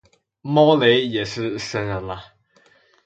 猫雷也是神人了